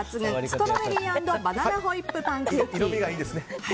ストロベリー＆バナナホイップパンケーキ。